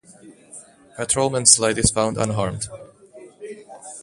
Patrolman Slide is found unharmed.